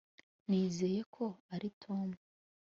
nizeye ko ari tom